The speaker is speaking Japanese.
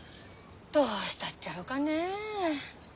どうしたっちゃろかね。